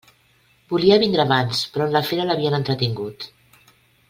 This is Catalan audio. Volia vindre abans però en la fira l'havien entretingut.